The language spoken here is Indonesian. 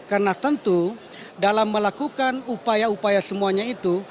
karena tentu dalam melakukan upaya upaya semuanya itu